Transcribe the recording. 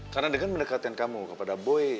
karena dengan mendekatkan kamu kepada boy